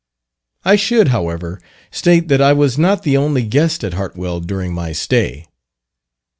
I should, however, state that I was not the only guest at Hartwell during my stay.